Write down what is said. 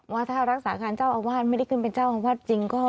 ว่าถ้ารักษาการเจ้าอาวาสไม่ได้ขึ้นเป็นเจ้าอาวาสจริงก็